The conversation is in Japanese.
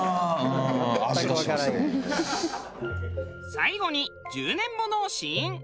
最後に１０年ものを試飲。